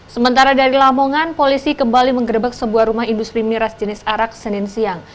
sementara dari lamongan polisi kembali mengerebek sebuah rumah industri miras jenis arak senin siang